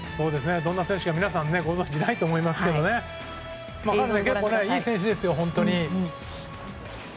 どんな選手か皆さんご存じないと思いますが結構いい選手ですよ、本当に。